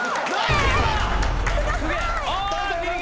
すげえ。